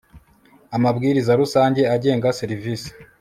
Amabwiriza rusange agenga serivisi